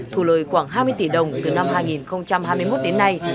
thù lời khoảng hai mươi tỷ đồng từ năm hai nghìn hai mươi một đến nay